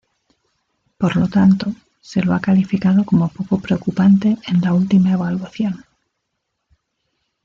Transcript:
Por lo tanto, se lo ha calificado como poco preocupante en la última evaluación.